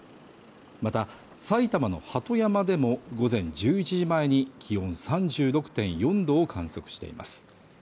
また埼玉の鳩山でも午前１１時前に気温３６．４度を観測しています